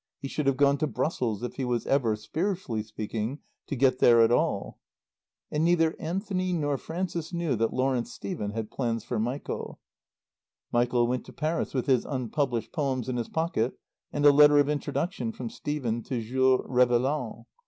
He should have gone to Brussels, if he was ever, spiritually speaking, to get there at all. And neither Anthony nor Frances knew that Lawrence Stephen had plans for Michael. Michael went to Paris with his unpublished poems in his pocket and a letter of introduction from Stephen to Jules Réveillaud.